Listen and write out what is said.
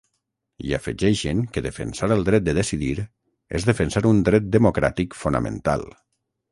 I afegeixen que defensar el dret de decidir és defensar un dret democràtic fonamental.